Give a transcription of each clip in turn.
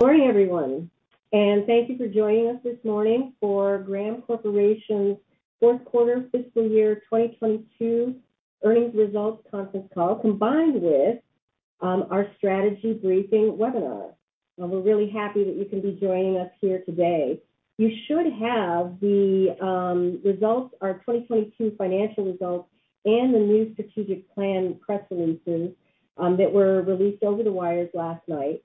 Morning everyone, and thank you for joining us this morning for Graham Corporation's fourth quarter fiscal year 2022 earnings results conference call, combined with our strategy briefing webinar. We're really happy that you can be joining us here today. You should have the results, our 2022 financial results and the new strategic plan press releases, that were released over the wires last night.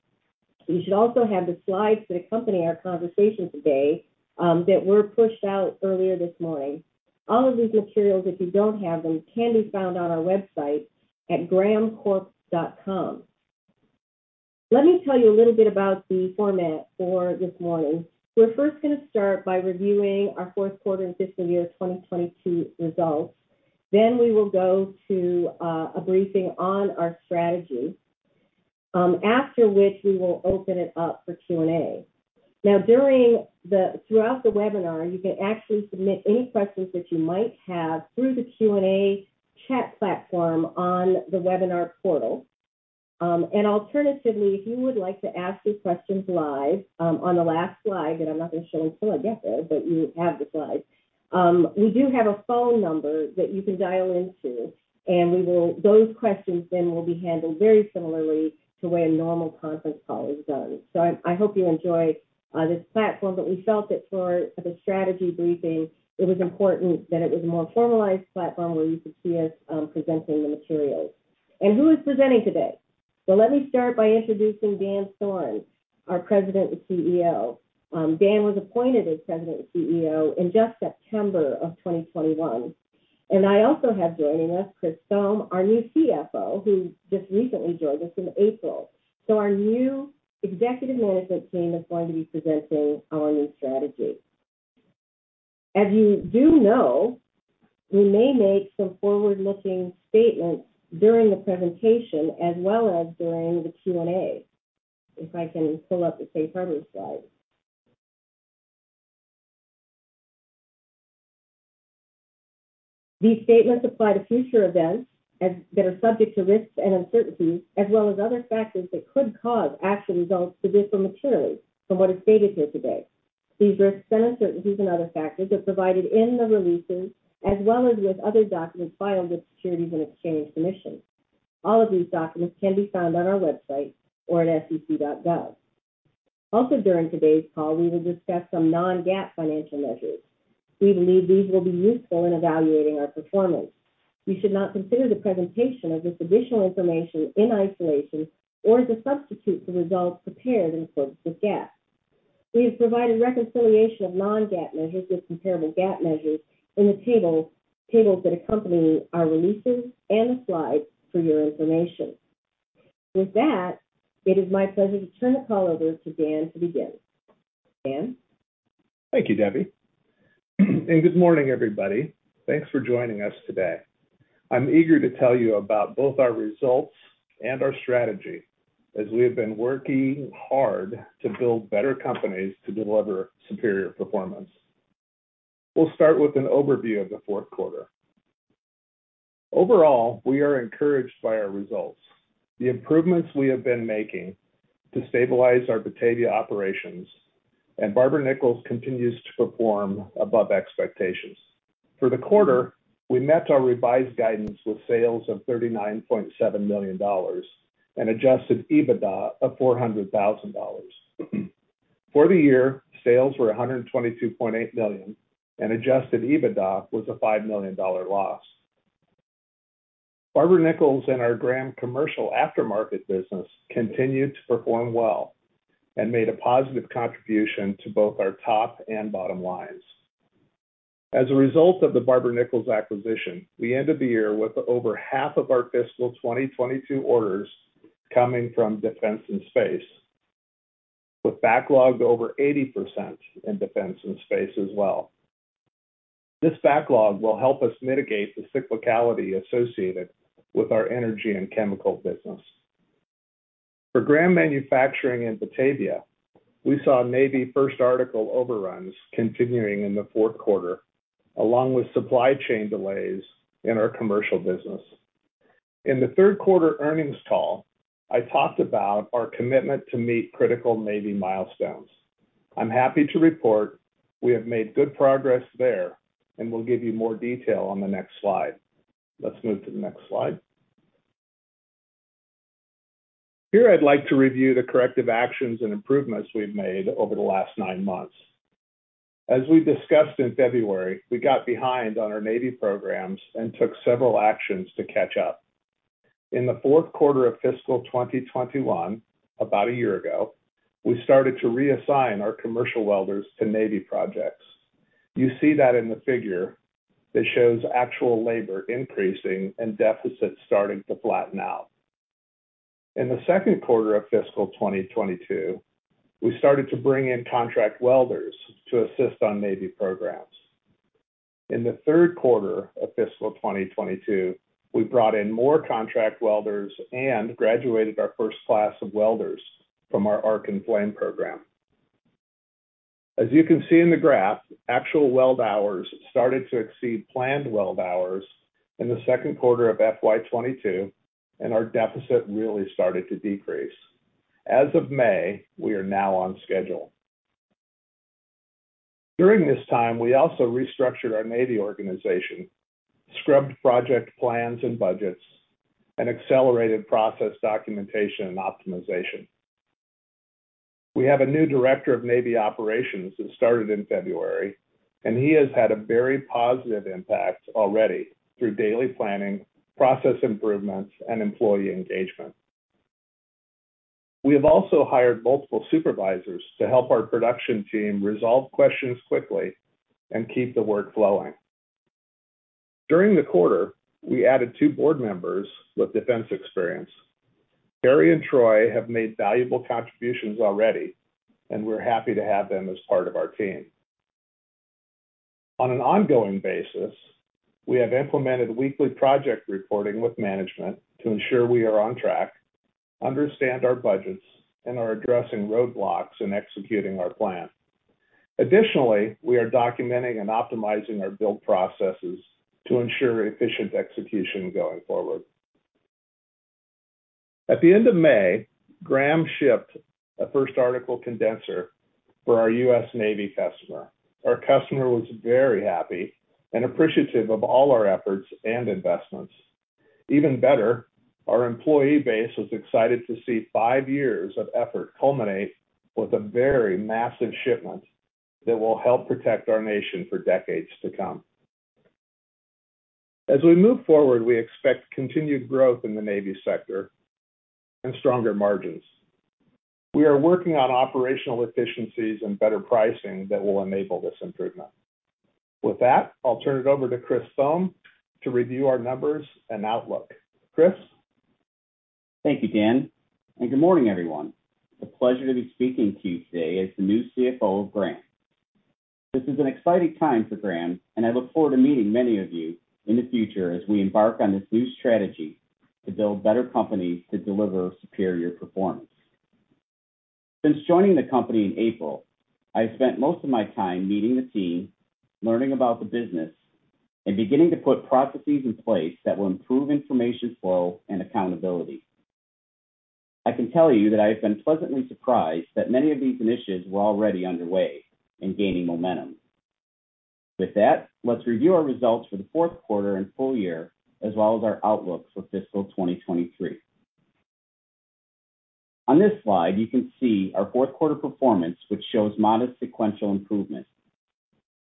You should also have the slides that accompany our conversation today, that were pushed out earlier this morning. All of these materials, if you don't have them, can be found on our website at grahamcorp.com. Let me tell you a little bit about the format for this morning. We're first gonna start by reviewing our fourth quarter and fiscal year 2022 results. We will go to a briefing on our strategy, after which we will open it up for Q&A. Now throughout the webinar, you can actually submit any questions that you might have through the Q&A chat platform on the webinar portal. Alternatively, if you would like to ask your questions live, on the last slide, that I'm not gonna show until I get there, but you have the slide, we do have a phone number that you can dial into, and those questions then will be handled very similarly to the way a normal conference call is done. I hope you enjoy this platform, but we felt that for the strategy briefing it was important that it was a more formalized platform where you could see us presenting the materials. Who is presenting today? Let me start by introducing Dan Thoren, our President and CEO. Dan was appointed as President and CEO in just September 2021. I also have joining us Chris Thome, our new CFO, who just recently joined us in April. Our new executive management team is going to be presenting our new strategy. As you do know, we may make some forward-looking statements during the presentation as well as during the Q&A. If I can pull up the safe harbor slide. These statements apply to future events as they are subject to risks and uncertainties, as well as other factors that could cause actual results to differ materially from what is stated here today. These risks and uncertainties and other factors are provided in the releases as well as with other documents filed with Securities and Exchange Commission. All of these documents can be found on our website or at sec.gov. Also, during today's call, we will discuss some non-GAAP financial measures. We believe these will be useful in evaluating our performance. We should not consider the presentation of this additional information in isolation or as a substitute for results prepared in accordance with GAAP. We have provided reconciliation of non-GAAP measures with comparable GAAP measures in the tables that accompany our releases and the slides for your information. With that, it is my pleasure to turn the call over to Dan to begin. Dan? Thank you, Debbie. Good morning, everybody. Thanks for joining us today. I'm eager to tell you about both our results and our strategy as we have been working hard to build better companies to deliver superior performance. We'll start with an overview of the fourth quarter. Overall, we are encouraged by our results. The improvements we have been making to stabilize our Batavia operations and Barber-Nichols continues to perform above expectations. For the quarter, we met our revised guidance with sales of $39.7 million and adjusted EBITDA of $400,000. For the year, sales were $122.8 million and adjusted EBITDA was a $5 million loss. Barber-Nichols and our Graham Commercial Aftermarket business continued to perform well and made a positive contribution to both our top and bottom lines. As a result of the Barber-Nichols acquisition, we ended the year with over half of our fiscal 2022 orders coming from defense and space, with backlogs over 80% in defense and space as well. This backlog will help us mitigate the cyclicality associated with our energy and chemical business. For Graham Manufacturing in Batavia, we saw Navy first article overruns continuing in the fourth quarter, along with supply chain delays in our commercial business. In the third quarter earnings call, I talked about our commitment to meet critical Navy milestones. I'm happy to report we have made good progress there, and we'll give you more detail on the next slide. Let's move to the next slide. Here, I'd like to review the corrective actions and improvements we've made over the last nine months. As we discussed in February, we got behind on our Navy programs and took several actions to catch up. In the fourth quarter of fiscal 2021, about a year ago, we started to reassign our commercial welders to Navy projects. You see that in the figure that shows actual labor increasing and deficits starting to flatten out. In the second quarter of fiscal 2022, we started to bring in contract welders to assist on Navy programs. In the third quarter of fiscal 2022, we brought in more contract welders and graduated our first class of welders from our Arc and Flame program. As you can see in the graph, actual weld hours started to exceed planned weld hours in the second quarter of FY 2022, and our deficit really started to decrease. As of May, we are now on schedule. During this time, we also restructured our Navy organization, scrubbed project plans and budgets, and accelerated process documentation and optimization. We have a new director of Navy operations who started in February, and he has had a very positive impact already through daily planning, process improvements, and employee engagement. We have also hired multiple supervisors to help our production team resolve questions quickly and keep the work flowing. During the quarter, we added two board members with defense experience. Cari and Troy have made valuable contributions already, and we're happy to have them as part of our team. On an ongoing basis, we have implemented weekly project reporting with management to ensure we are on track, understand our budgets, and are addressing roadblocks in executing our plan. Additionally, we are documenting and optimizing our build processes to ensure efficient execution going forward. At the end of May, Graham shipped a first-article condenser for our U.S. Navy customer. Our customer was very happy and appreciative of all our efforts and investments. Even better, our employee base was excited to see five years of effort culminate with a very massive shipment that will help protect our nation for decades to come. As we move forward, we expect continued growth in the Navy sector and stronger margins. We are working on operational efficiencies and better pricing that will enable this improvement. With that, I'll turn it over to Chris Thome to review our numbers and outlook. Chris. Thank you, Dan, and good morning, everyone. It's a pleasure to be speaking to you today as the new CFO of Graham. This is an exciting time for Graham, and I look forward to meeting many of you in the future as we embark on this new strategy to build better companies to deliver superior performance. Since joining the company in April, I spent most of my time meeting the team, learning about the business, and beginning to put processes in place that will improve information flow and accountability. I can tell you that I have been pleasantly surprised that many of these initiatives were already underway and gaining momentum. With that, let's review our results for the fourth quarter and full year as well as our outlook for fiscal 2023. On this slide, you can see our fourth quarter performance, which shows modest sequential improvement.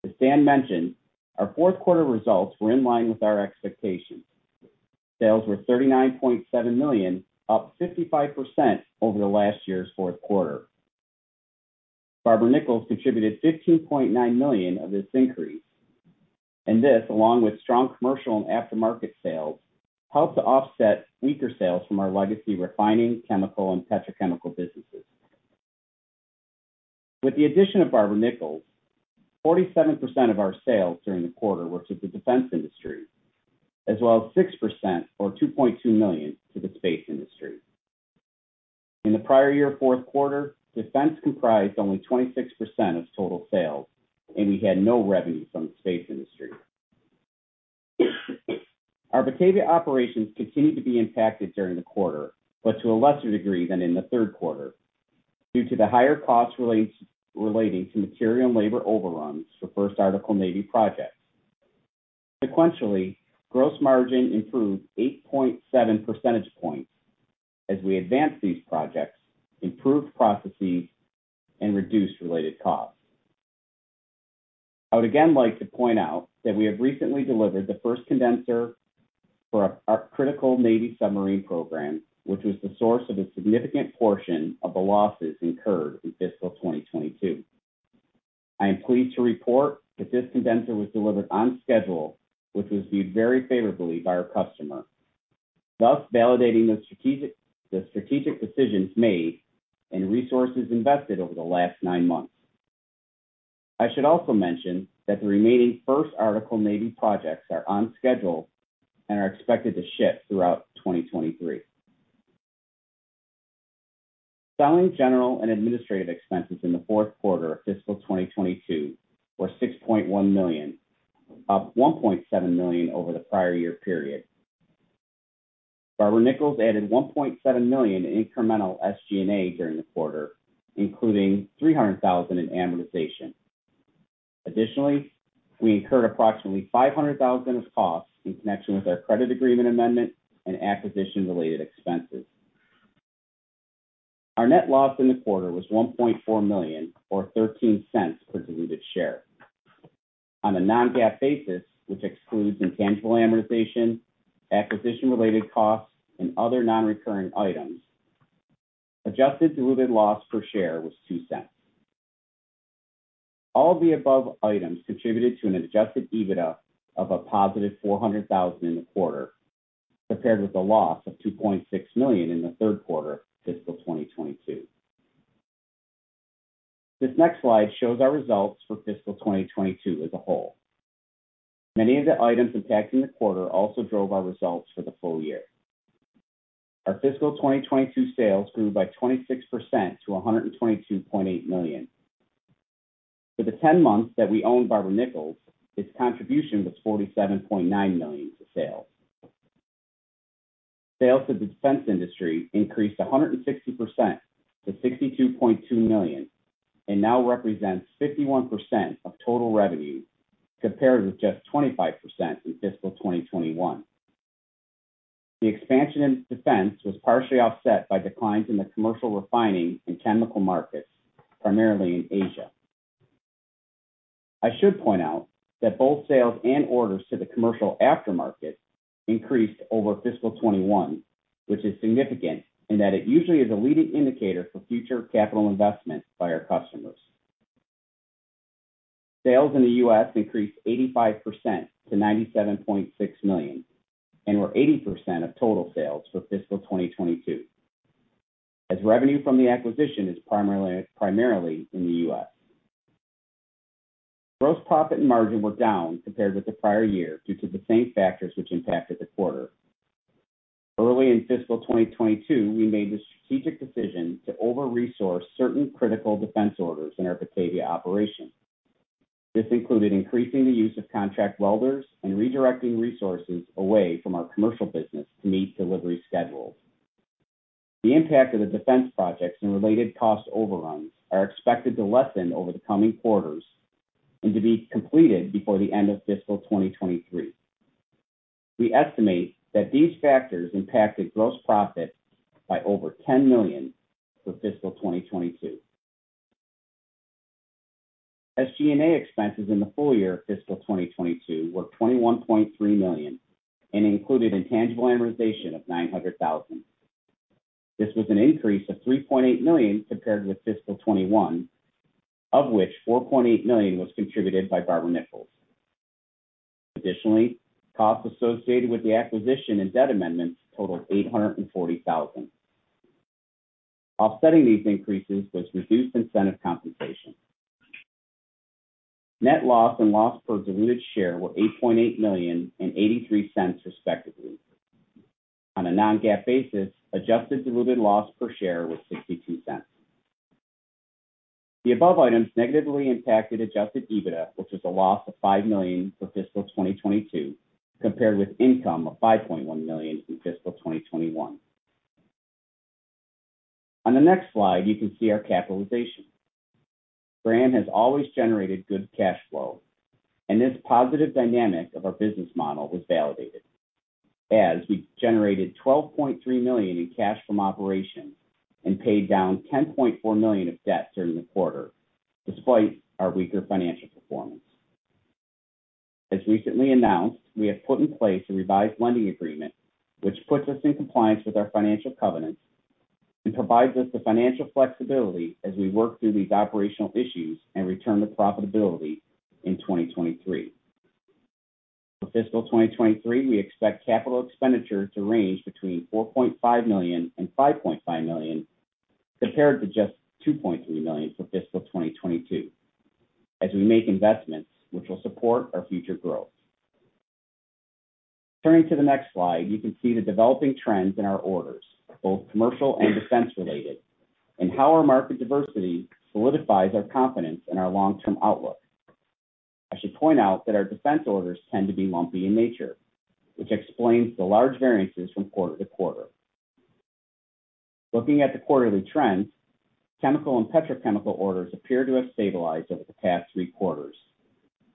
As Dan mentioned, our fourth quarter results were in line with our expectations. Sales were $39.7 million, up 55% over last year's fourth quarter. Barber-Nichols contributed $15.9 million of this increase. This, along with strong commercial and aftermarket sales, helped to offset weaker sales from our legacy refining, chemical, and petrochemical businesses. With the addition of Barber-Nichols, 47% of our sales during the quarter were to the defense industry, as well as 6% or $2.2 million to the space industry. In the prior year fourth quarter, defense comprised only 26% of total sales, and we had no revenue from the space industry. Our Batavia operations continued to be impacted during the quarter, but to a lesser degree than in the third quarter due to the higher costs relating to material and labor overruns for first-article Navy projects. Sequentially, gross margin improved 8.7 percentage points as we advanced these projects, improved processes, and reduced related costs. I would again like to point out that we have recently delivered the first condenser for a critical Navy submarine program, which was the source of a significant portion of the losses incurred in fiscal 2022. I am pleased to report that this condenser was delivered on schedule, which was viewed very favorably by our customer, thus validating the strategic decisions made and resources invested over the last nine months. I should also mention that the remaining first-article Navy projects are on schedule and are expected to ship throughout 2023. Selling, general, and administrative expenses in the fourth quarter of fiscal 2022 were $6.1 million, up $1.7 million over the prior year period. Barber-Nichols added $1.7 million in incremental SG&A during the quarter, including $300,000 in amortization. Additionally, we incurred approximately $500,000 of costs in connection with our credit agreement amendment and acquisition-related expenses. Our net loss in the quarter was $1.4 million or $0.13 per diluted share. On a non-GAAP basis, which excludes intangible amortization, acquisition-related costs, and other non-recurring items, adjusted diluted loss per share was $0.02. All of the above items contributed to an adjusted EBITDA of a positive $400,000 in the quarter, compared with a loss of $2.6 million in the third quarter of fiscal 2022. This next slide shows our results for fiscal 2022 as a whole. Many of the items impacting the quarter also drove our results for the full year. Our fiscal 2022 sales grew by 26% to $122.8 million. For the ten months that we owned Barber-Nichols, its contribution was $47.9 million to sales. Sales to the defense industry increased 160% to $62.2 million and now represents 51% of total revenue, compared with just 25% in fiscal 2021. The expansion in defense was partially offset by declines in the commercial refining and chemical markets, primarily in Asia. I should point out that both sales and orders to the commercial aftermarket increased over fiscal 2021, which is significant in that it usually is a leading indicator for future capital investment by our customers. Sales in the U.S. increased 85% to $97.6 million and were 80% of total sales for fiscal 2022, as revenue from the acquisition is primarily in the U.S. Gross profit and margin were down compared with the prior year due to the same factors which impacted the quarter. Early in fiscal 2022, we made the strategic decision to over-resource certain critical defense orders in our Batavia operation. This included increasing the use of contract welders and redirecting resources away from our commercial business to meet delivery schedules. The impact of the defense projects and related cost overruns are expected to lessen over the coming quarters and to be completed before the end of fiscal 2023. We estimate that these factors impacted gross profit by over $10 million for fiscal 2022. SG&A expenses in the full year of fiscal 2022 were $21.3 million, and included intangible amortization of $900,000. This was an increase of $3.8 million compared with fiscal 2021, of which $4.8 million was contributed by Barber-Nichols. Additionally, costs associated with the acquisition and debt amendments totaled $840,000. Offsetting these increases was reduced incentive compensation. Net loss and loss per diluted share were $8.8 million and $0.83, respectively. On a non-GAAP basis, adjusted diluted loss per share was $0.62. The above items negatively impacted adjusted EBITDA, which was a loss of $5 million for fiscal 2022, compared with income of $5.1 million in fiscal 2021. On the next slide, you can see our capitalization. Graham has always generated good cash flow, and this positive dynamic of our business model was validated as we generated $12.3 million in cash from operations and paid down $10.4 million of debt during the quarter, despite our weaker financial performance. As recently announced, we have put in place a revised lending agreement, which puts us in compliance with our financial covenants and provides us the financial flexibility as we work through these operational issues and return to profitability in 2023. For fiscal 2023, we expect capital expenditure to range between $4.5 million and $5.5 million, compared to just $2.3 million for fiscal 2022, as we make investments which will support our future growth. Turning to the next slide, you can see the developing trends in our orders, both commercial and defense-related, and how our market diversity solidifies our confidence in our long-term outlook. I should point out that our defense orders tend to be lumpy in nature, which explains the large variances from quarter to quarter. Looking at the quarterly trends, chemical and petrochemical orders appear to have stabilized over the past three quarters,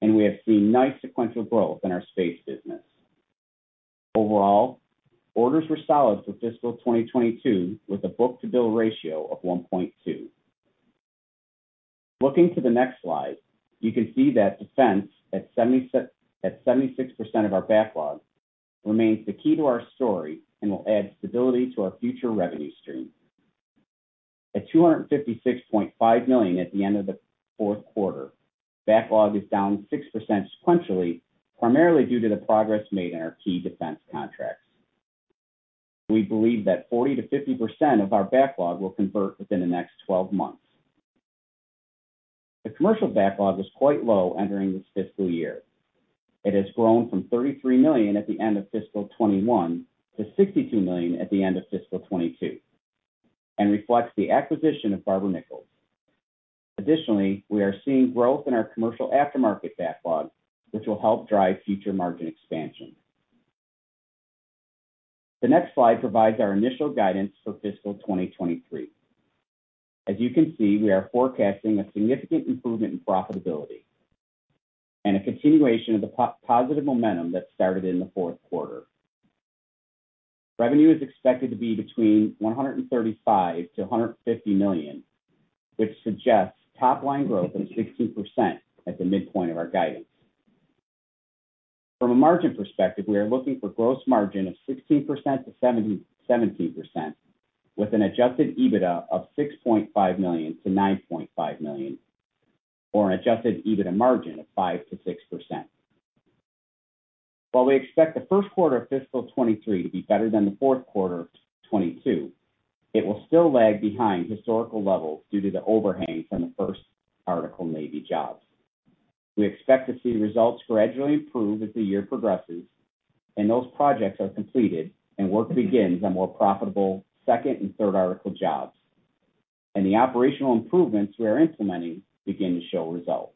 and we have seen nice sequential growth in our space business. Overall, orders were solid for fiscal 2022, with a book-to-bill ratio of 1.2. Looking to the next slide, you can see that defense at 76% of our backlog remains the key to our story and will add stability to our future revenue stream. At $256.5 million at the end of the fourth quarter, backlog is down 6% sequentially, primarily due to the progress made in our key defense contracts. We believe that 40%-50% of our backlog will convert within the next 12 months. The commercial backlog was quite low entering this fiscal year. It has grown from $33 million at the end of fiscal 2021 to $62 million at the end of fiscal 2022 and reflects the acquisition of Barber-Nichols. Additionally, we are seeing growth in our commercial aftermarket backlog, which will help drive future margin expansion. The next slide provides our initial guidance for fiscal 2023. As you can see, we are forecasting a significant improvement in profitability and a continuation of the positive momentum that started in the fourth quarter. Revenue is expected to be between $135 million-$150 million, which suggests top line growth of 16% at the midpoint of our guidance. From a margin perspective, we are looking for gross margin of 16%-17% with an adjusted EBITDA of $6.5 million-$9.5 million or an adjusted EBITDA margin of 5%-6%. While we expect the first quarter of fiscal 2023 to be better than the fourth quarter of 2022, it will still lag behind historical levels due to the overhang from the first article Navy jobs. We expect to see results gradually improve as the year progresses and those projects are completed and work begins on more profitable second and third article jobs. The operational improvements we are implementing begin to show results.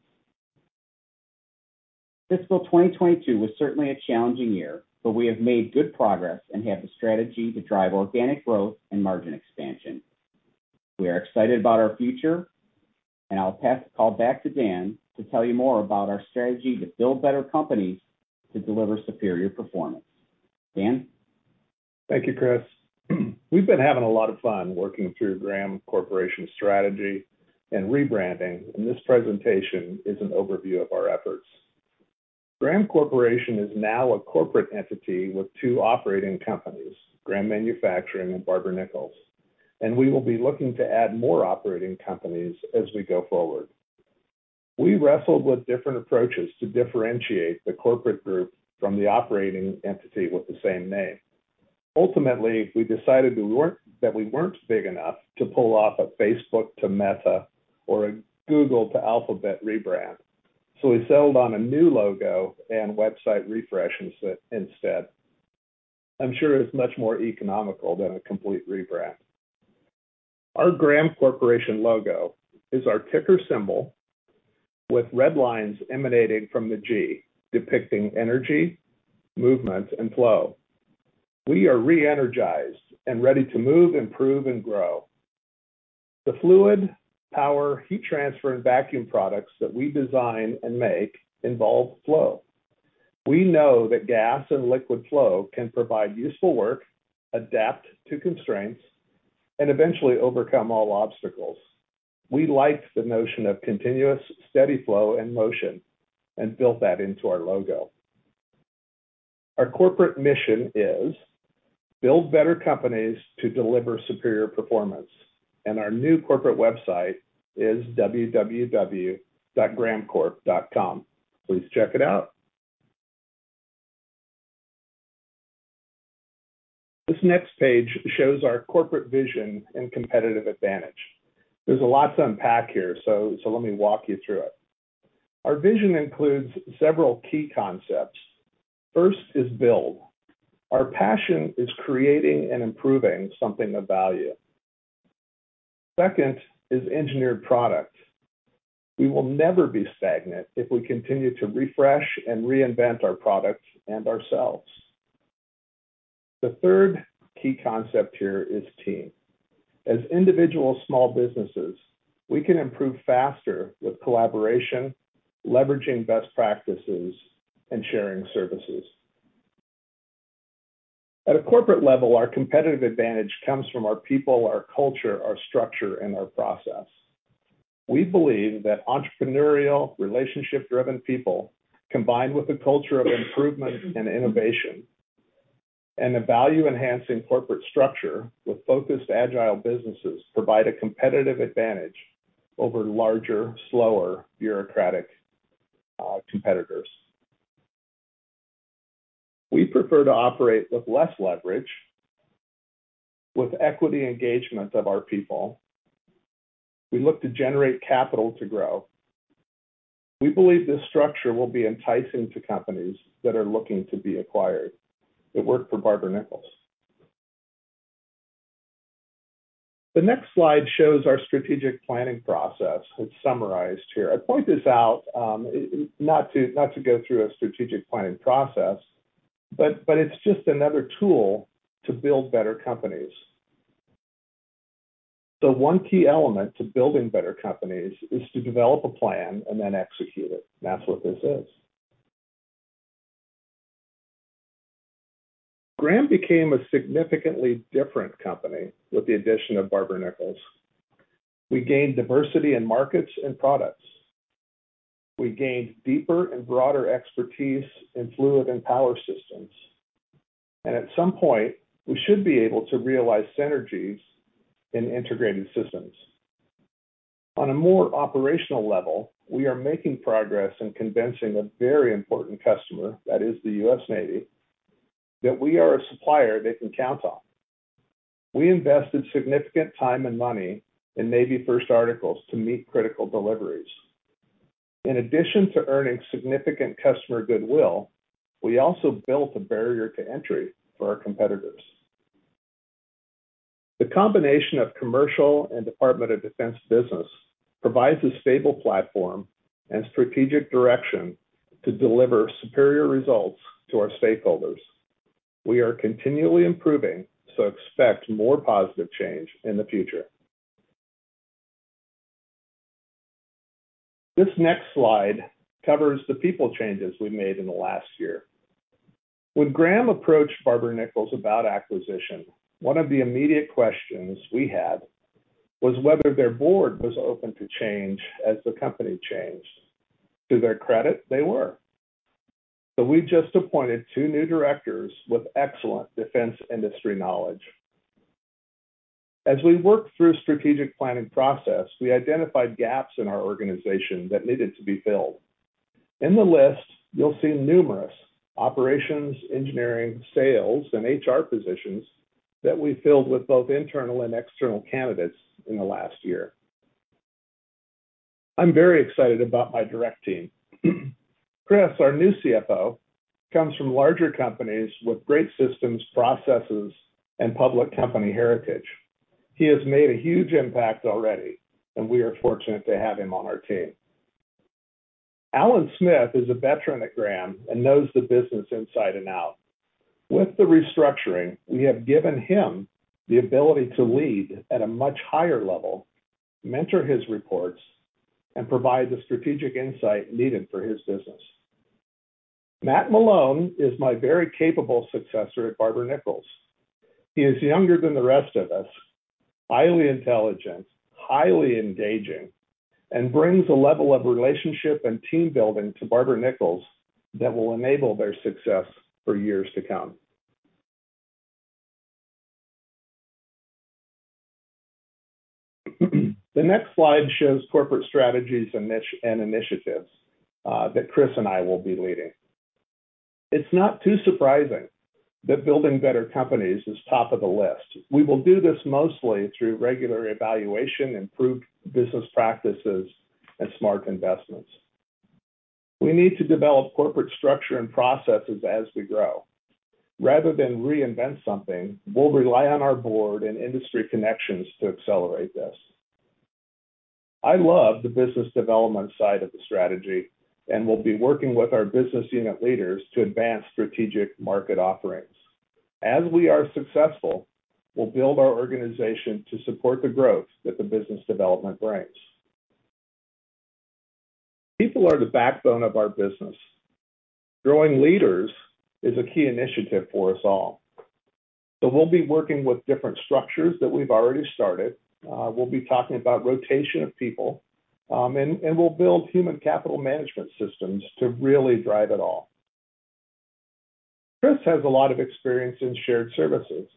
Fiscal 2022 was certainly a challenging year, but we have made good progress and have the strategy to drive organic growth and margin expansion. We are excited about our future, and I'll pass the call back to Dan to tell you more about our strategy to build better companies to deliver superior performance. Dan? Thank you, Chris. We've been having a lot of fun working through Graham Corporation's strategy and rebranding, and this presentation is an overview of our efforts. Graham Corporation is now a corporate entity with two operating companies, Graham Manufacturing and Barber-Nichols, and we will be looking to add more operating companies as we go forward. We wrestled with different approaches to differentiate the corporate group from the operating entity with the same name. Ultimately, we decided we weren't big enough to pull off a Facebook to Meta or a Google to Alphabet rebrand. We settled on a new logo and website refreshes instead. I'm sure it's much more economical than a complete rebrand. Our Graham Corporation logo is our ticker symbol with red lines emanating from the G, depicting energy, movement, and flow. We are re-energized and ready to move, improve, and grow. The fluid, power, heat transfer, and vacuum products that we design and make involve flow. We know that gas and liquid flow can provide useful work, adapt to constraints, and eventually overcome all obstacles. We liked the notion of continuous, steady flow in motion and built that into our logo. Our corporate mission is build better companies to deliver superior performance, and our new corporate website is www.grahamcorp.com. Please check it out. This next page shows our corporate vision and competitive advantage. There's a lot to unpack here, so let me walk you through it. Our vision includes several key concepts. First is build. Our passion is creating and improving something of value. Second is engineered product. We will never be stagnant if we continue to refresh and reinvent our products and ourselves. The third key concept here is team. As individual small businesses, we can improve faster with collaboration, leveraging best practices, and sharing services. At a corporate level, our competitive advantage comes from our people, our culture, our structure, and our process. We believe that entrepreneurial, relationship-driven people, combined with a culture of improvement and innovation and a value-enhancing corporate structure with focused, agile businesses provide a competitive advantage over larger, slower, bureaucratic competitors. We prefer to operate with less leverage. With equity engagement of our people, we look to generate capital to grow. We believe this structure will be enticing to companies that are looking to be acquired. It worked for Barber-Nichols. The next slide shows our strategic planning process. It's summarized here. I point this out, not to go through a strategic planning process, but it's just another tool to build better companies. The one key element to building better companies is to develop a plan and then execute it. That's what this is. Graham became a significantly different company with the addition of Barber-Nichols. We gained diversity in markets and products. We gained deeper and broader expertise in fluid and power systems. At some point, we should be able to realize synergies in integrated systems. On a more operational level, we are making progress in convincing a very important customer, that is the U.S. Navy, that we are a supplier they can count on. We invested significant time and money in Navy first articles to meet critical deliveries. In addition to earning significant customer goodwill, we also built a barrier to entry for our competitors. The combination of commercial and Department of Defense business provides a stable platform and strategic direction to deliver superior results to our stakeholders. We are continually improving, so expect more positive change in the future. This next slide covers the people changes we made in the last year. When Graham approached Barber-Nichols about acquisition, one of the immediate questions we had was whether their board was open to change as the company changed. To their credit, they were. We just appointed two new directors with excellent defense industry knowledge. As we worked through a strategic planning process, we identified gaps in our organization that needed to be filled. In the list, you'll see numerous operations, engineering, sales, and HR positions that we filled with both internal and external candidates in the last year. I'm very excited about my direct team. Chris, our new CFO, comes from larger companies with great systems, processes, and public company heritage. He has made a huge impact already, and we are fortunate to have him on our team. Alan Smith is a veteran at Graham and knows the business inside and out. With the restructuring, we have given him the ability to lead at a much higher level, mentor his reports, and provide the strategic insight needed for his business. Matt Malone is my very capable successor at Barber-Nichols. He is younger than the rest of us, highly intelligent, highly engaging, and brings a level of relationship and team building to Barber-Nichols that will enable their success for years to come. The next slide shows corporate strategies and niche and initiatives that Chris and I will be leading. It's not too surprising that building better companies is top of the list. We will do this mostly through regular evaluation, improved business practices, and smart investments. We need to develop corporate structure and processes as we grow. Rather than reinvent something, we'll rely on our board and industry connections to accelerate this. I love the business development side of the strategy and will be working with our business unit leaders to advance strategic market offerings. As we are successful, we'll build our organization to support the growth that the business development brings. People are the backbone of our business. Growing leaders is a key initiative for us all. We'll be working with different structures that we've already started. We'll be talking about rotation of people, and we'll build human capital management systems to really drive it all. Chris has a lot of experience in shared services.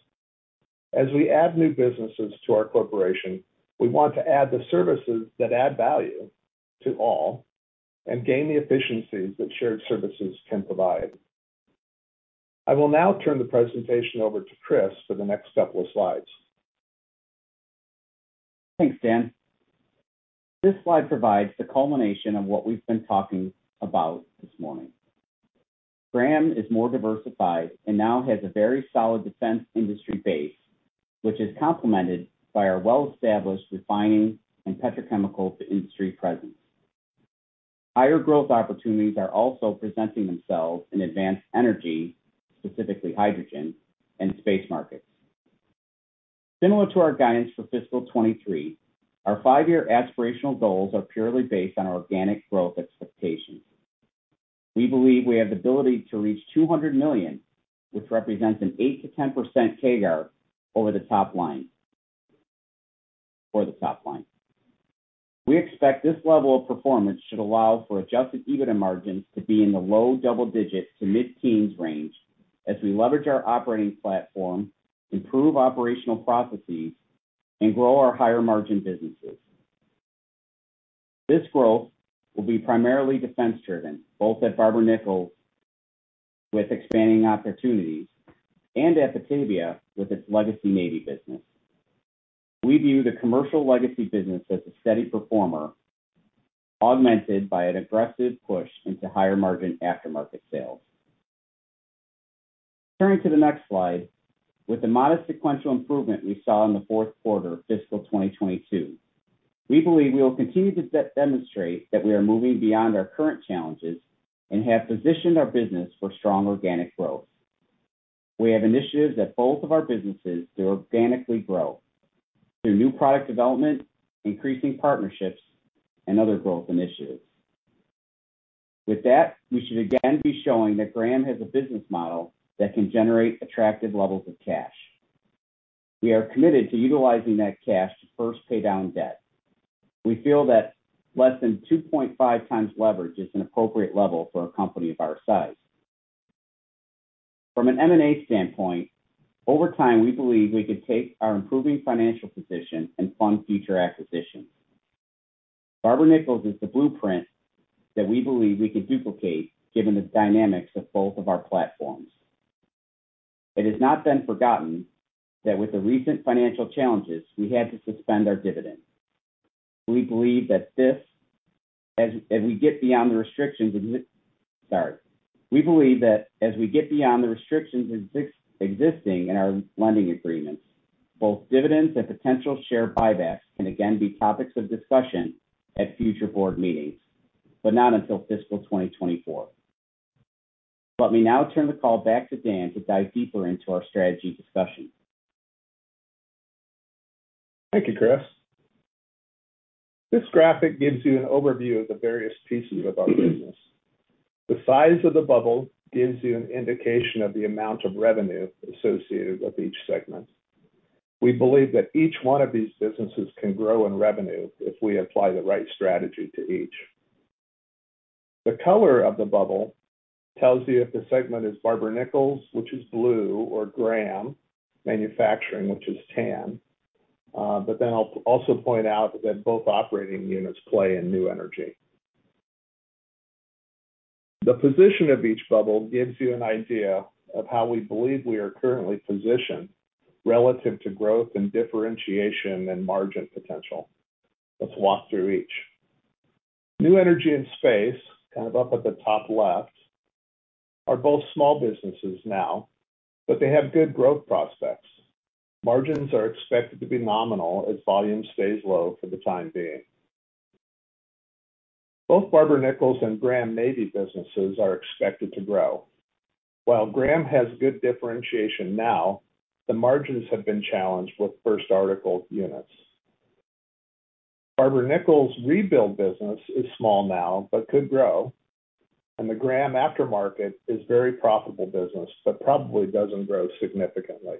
As we add new businesses to our corporation, we want to add the services that add value to all and gain the efficiencies that shared services can provide. I will now turn the presentation over to Chris for the next couple of slides. Thanks, Dan. This slide provides the culmination of what we've been talking about this morning. Graham is more diversified and now has a very solid defense industry base, which is complemented by our well-established refining and petrochemicals industry presence. Higher growth opportunities are also presenting themselves in advanced energy, specifically hydrogen and space markets. Similar to our guidance for fiscal 2023, our five-year aspirational goals are purely based on our organic growth expectations. We believe we have the ability to reach $200 million, which represents an 8%-10% CAGR over the top line, for the top line. We expect this level of performance should allow for adjusted EBITDA margins to be in the low double digit to mid-teens range as we leverage our operating platform, improve operational processes, and grow our higher-margin businesses. This growth will be primarily defense-driven, both at Barber-Nichols with expanding opportunities and at Batavia with its legacy Navy business. We view the commercial legacy business as a steady performer, augmented by an aggressive push into higher-margin aftermarket sales. Turning to the next slide, with the modest sequential improvement we saw in the fourth quarter of fiscal 2022, we believe we will continue to demonstrate that we are moving beyond our current challenges and have positioned our business for strong organic growth. We have initiatives at both of our businesses to organically grow through new product development, increasing partnerships, and other growth initiatives. With that, we should again be showing that Graham has a business model that can generate attractive levels of cash. We are committed to utilizing that cash to first pay down debt. We feel that less than 2.5x leverage is an appropriate level for a company of our size. From an M&A standpoint, over time, we believe we can take our improving financial position and fund future acquisitions. Barber-Nichols is the blueprint that we believe we can duplicate given the dynamics of both of our platforms. It has not been forgotten that with the recent financial challenges, we had to suspend our dividend. We believe that as we get beyond the restrictions existing in our lending agreements, both dividends and potential share buybacks can again be topics of discussion at future board meetings, but not until fiscal 2024. Let me now turn the call back to Dan to dive deeper into our strategy discussion. Thank you, Chris. This graphic gives you an overview of the various pieces of our business. The size of the bubble gives you an indication of the amount of revenue associated with each segment. We believe that each one of these businesses can grow in revenue if we apply the right strategy to each. The color of the bubble tells you if the segment is Barber-Nichols, which is blue, or Graham Manufacturing, which is tan. I'll also point out that both operating units play in new energy. The position of each bubble gives you an idea of how we believe we are currently positioned relative to growth and differentiation and margin potential. Let's walk through each. New energy and space, kind of up at the top left, are both small businesses now, but they have good growth prospects. Margins are expected to be nominal as volume stays low for the time being. Both Barber-Nichols and Graham Navy businesses are expected to grow. While Graham has good differentiation now, the margins have been challenged with first article units. Barber-Nichols rebuild business is small now, but could grow, and the Graham aftermarket is very profitable business, but probably doesn't grow significantly.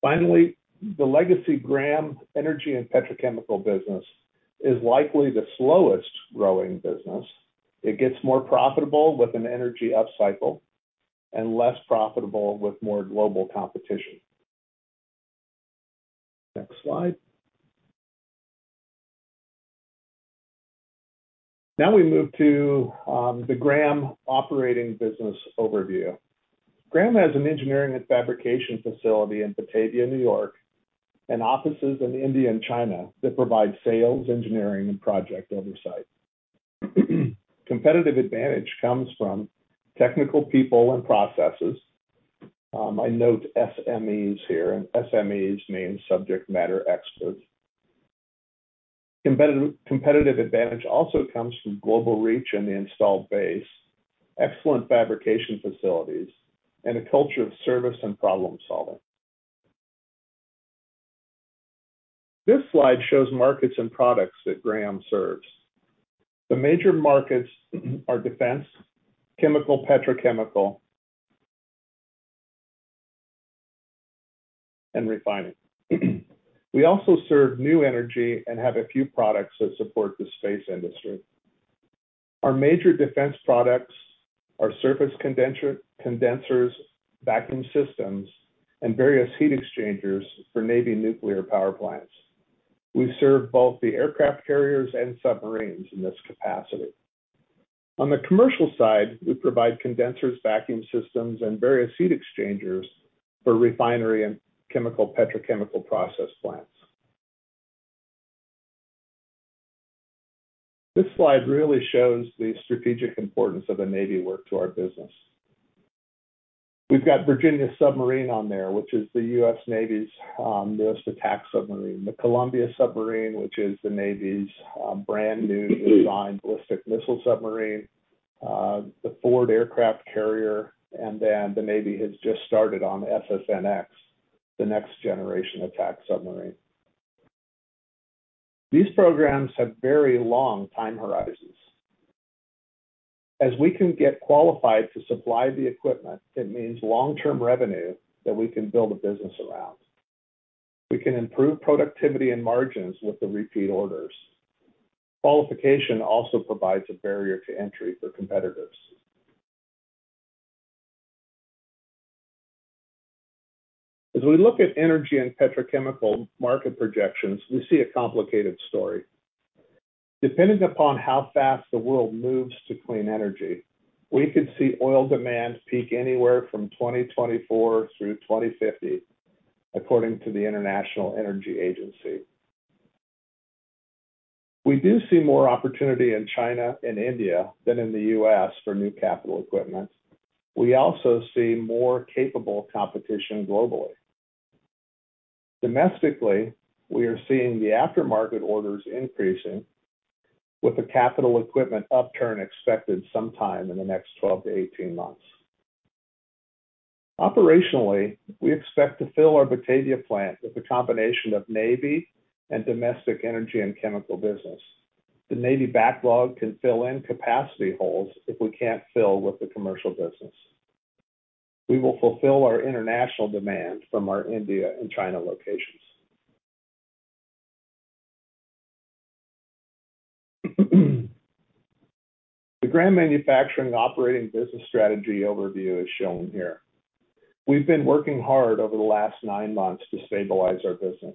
Finally, the legacy Graham energy and petrochemical business is likely the slowest growing business. It gets more profitable with an energy upcycle and less profitable with more global competition. Next slide. Now we move to the Graham operating business overview. Graham has an engineering and fabrication facility in Batavia, New York, and offices in India and China that provide sales, engineering, and project oversight. Competitive advantage comes from technical people and processes. I note SMEs here, and SMEs mean subject matter experts. Competitive advantage also comes from global reach and the installed base, excellent fabrication facilities, and a culture of service and problem-solving. This slide shows markets and products that Graham serves. The major markets are defense, chemical, petrochemical and refining. We also serve new energy and have a few products that support the space industry. Our major defense products are surface condenser, condensers, vacuum systems, and various heat exchangers for Navy nuclear power plants. We serve both the aircraft carriers and submarines in this capacity. On the commercial side, we provide condensers, vacuum systems, and various heat exchangers for refinery and chemical petrochemical process plants. This slide really shows the strategic importance of the Navy work to our business. We've got Virginia-class submarine on there, which is the U.S. Navy's newest attack submarine, the Columbia-class submarine, which is the Navy's brand new design ballistic missile submarine, the Ford-class aircraft carrier, and then the Navy has just started on SSNX, the next generation attack submarine. These programs have very long time horizons. As we can get qualified to supply the equipment, it means long-term revenue that we can build a business around. We can improve productivity and margins with the repeat orders. Qualification also provides a barrier to entry for competitors. As we look at energy and petrochemical market projections, we see a complicated story. Depending upon how fast the world moves to clean energy, we could see oil demand peak anywhere from 2024 through 2050 according to the International Energy Agency. We do see more opportunity in China and India than in the U.S. for new capital equipment. We also see more capable competition globally. Domestically, we are seeing the aftermarket orders increasing with the capital equipment upturn expected sometime in the next 12-18 months. Operationally, we expect to fill our Batavia plant with a combination of Navy and domestic energy and chemical business. The Navy backlog can fill in capacity holes if we can't fill with the commercial business. We will fulfill our international demand from our India and China locations. The Graham Manufacturing operating business strategy overview is shown here. We've been working hard over the last nine months to stabilize our business.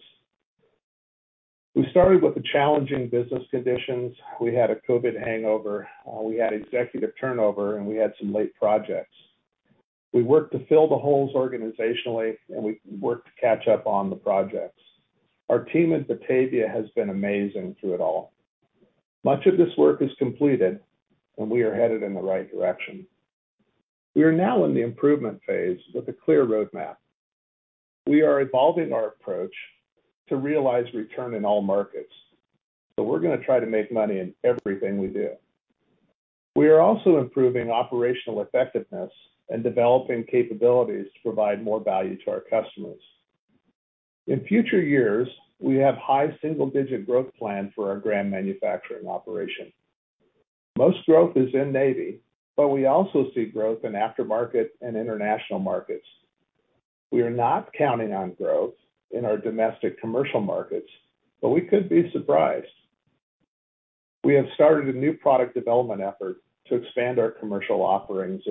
We started with the challenging business conditions. We had a COVID hangover. We had executive turnover, and we had some late projects. We worked to fill the holes organizationally, and we worked to catch up on the projects. Our team at Batavia has been amazing through it all. Much of this work is completed, and we are headed in the right direction. We are now in the improvement phase with a clear roadmap. We are evolving our approach to realize return in all markets, but we're gonna try to make money in everything we do. We are also improving operational effectiveness and developing capabilities to provide more value to our customers. In future years, we have high single-digit growth plan for our Graham Manufacturing operation. Most growth is in Navy, but we also see growth in aftermarket and international markets. We are not counting on growth in our domestic commercial markets, but we could be surprised. We have started a new product development effort to expand our commercial offerings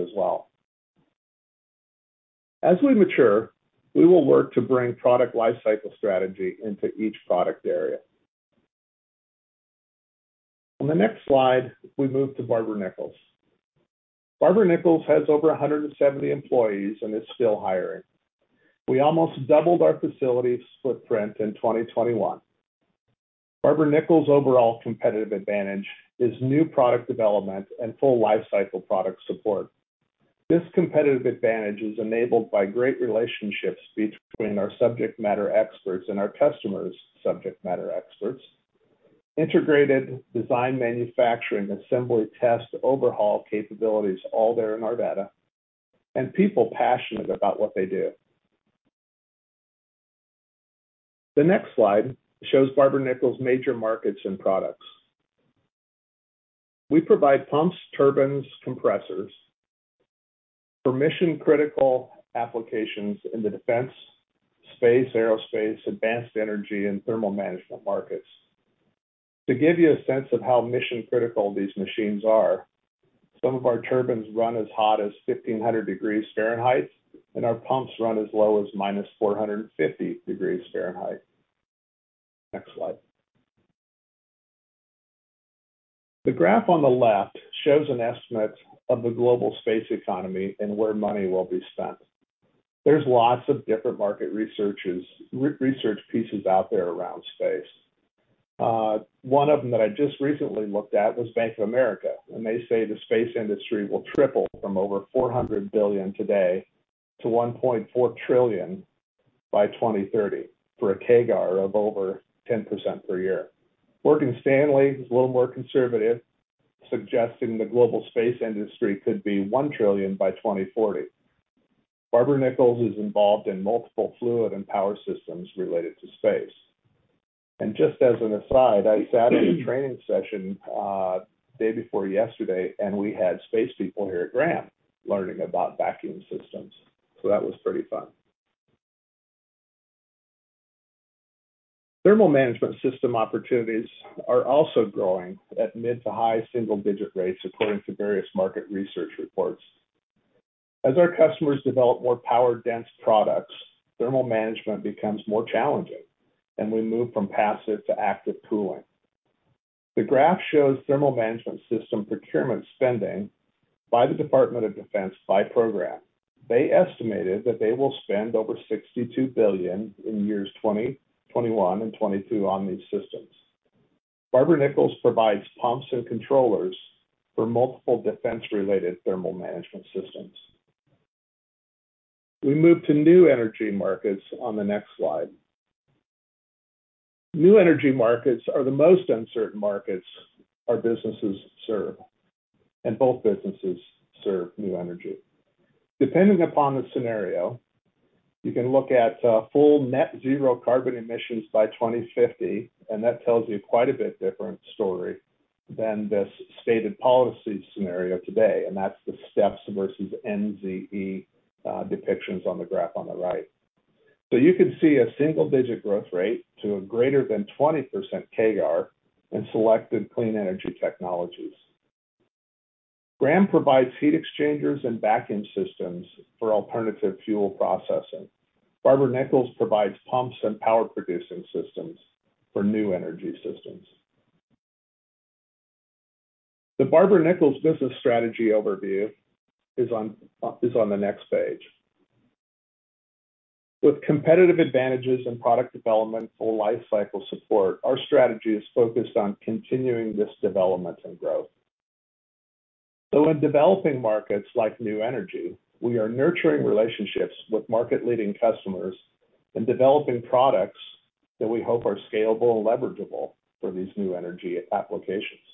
as well. As we mature, we will work to bring product life cycle strategy into each product area. On the next slide, we move to Barber-Nichols. Barber-Nichols has over 170 employees and is still hiring. We almost doubled our facilities footprint in 2021. Barber-Nichols' overall competitive advantage is new product development and full life cycle product support. This competitive advantage is enabled by great relationships between our subject matter experts and our customers' subject matter experts. Integrated design manufacturing, assembly test, overhaul capabilities, all there in our data, and people passionate about what they do. The next slide shows Barber-Nichols' major markets and products. We provide pumps, turbines, compressors for mission-critical applications in the defense, space, aerospace, advanced energy, and thermal management markets. To give you a sense of how mission-critical these machines are, some of our turbines run as hot as 1,500 degrees Fahrenheit, and our pumps run as low as -450 degrees Fahrenheit. Next slide. The graph on the left shows an estimate of the global space economy and where money will be spent. There's lots of different market research pieces out there around space. One of them that I just recently looked at was Bank of America, and they say the space industry will triple from over $400 billion today to $1.4 trillion by 2030 for a CAGR of over 10% per year. Morgan Stanley is a little more conservative, suggesting the global space industry could be $1 trillion by 2040. Barber-Nichols is involved in multiple fluid and power systems related to space. Just as an aside, I sat in a training session, day before yesterday, and we had space people here at Graham learning about vacuum systems. That was pretty fun. Thermal management system opportunities are also growing at mid- to high-single-digit rates according to various market research reports. As our customers develop more power-dense products, thermal management becomes more challenging, and we move from passive to active cooling. The graph shows thermal management system procurement spending by the Department of Defense by program. They estimated that they will spend over $62 billion in years 2020, 2021, and 2022 on these systems. Barber-Nichols provides pumps and controllers for multiple defense-related thermal management systems. We move to new energy markets on the next slide. New energy markets are the most uncertain markets our businesses serve, and both businesses serve new energy. Depending upon the scenario, you can look at full net zero carbon emissions by 2050, and that tells you quite a bit different story than this stated policy scenario today, and that's the STEPS versus NZE depictions on the graph on the right. You can see a single-digit growth rate to a greater than 20% CAGR in selected clean energy technologies. Graham provides heat exchangers and vacuum systems for alternative fuel processing. Barber-Nichols provides pumps and power producing systems for new energy systems. The Barber-Nichols business strategy overview is on the next page. With competitive advantages in product development, full life cycle support, our strategy is focused on continuing this development and growth. In developing markets like new energy, we are nurturing relationships with market-leading customers and developing products that we hope are scalable and leverageable for these new energy applications.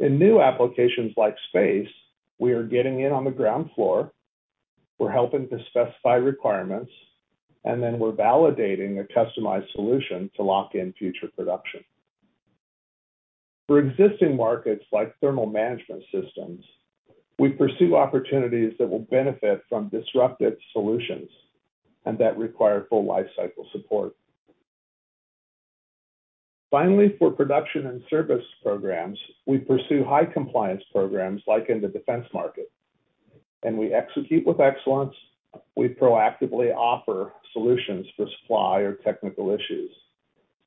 In new applications like space, we are getting in on the ground floor, we're helping to specify requirements, and then we're validating a customized solution to lock in future production. For existing markets like thermal management systems, we pursue opportunities that will benefit from disruptive solutions and that require full life cycle support. Finally, for production and service programs, we pursue high compliance programs like in the defense market. We execute with excellence. We proactively offer solutions for supply or technical issues.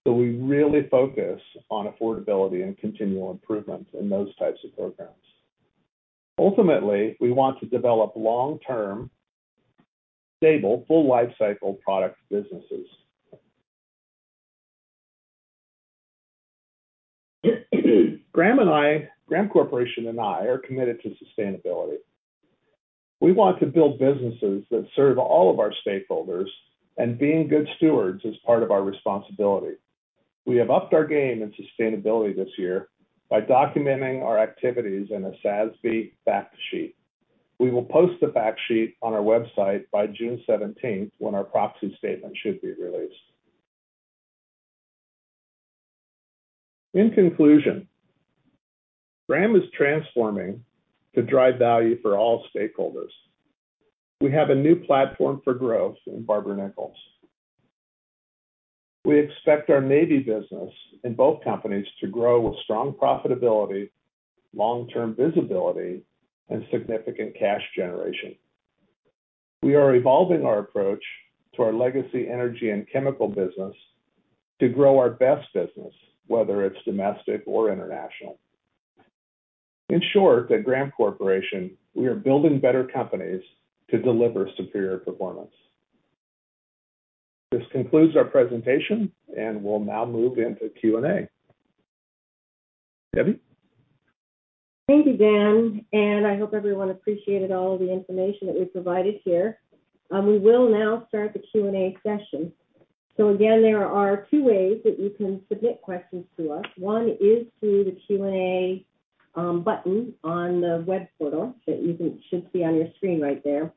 We really focus on affordability and continual improvement in those types of programs. Ultimately, we want to develop long-term, stable, full life cycle product businesses. Graham and I, Graham Corporation and I are committed to sustainability. We want to build businesses that serve all of our stakeholders and being good stewards is part of our responsibility. We have upped our game in sustainability this year by documenting our activities in a SASB fact sheet. We will post the fact sheet on our website by June seventeenth when our proxy statement should be released. In conclusion, Graham is transforming to drive value for all stakeholders. We have a new platform for growth in Barber-Nichols. We expect our Navy business in both companies to grow with strong profitability, long-term visibility, and significant cash generation. We are evolving our approach to our legacy energy and chemical business to grow our best business, whether it's domestic or international. In short, at Graham Corporation, we are building better companies to deliver superior performance. This concludes our presentation, and we'll now move into Q&A. Debbie? Thank you, Dan, and I hope everyone appreciated all of the information that we provided here. We will now start the Q&A session. Again, there are two ways that you can submit questions to us. One is through the Q&A button on the web portal that you should see on your screen right there.